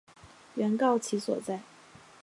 原告其所在！